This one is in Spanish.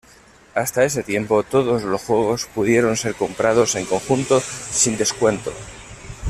Hasta ese tiempo, todos los juegos pudieron ser comprados en conjunto, sin descuento.